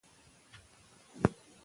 میرویس نیکه د یو عادل نظام غوښتونکی و.